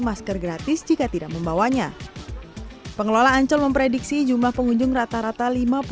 masker gratis jika tidak membawanya pengelola ancol memprediksi jumlah pengunjung rata rata